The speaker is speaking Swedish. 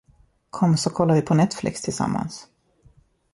Kom så kollar vi på Netflix tillsammans.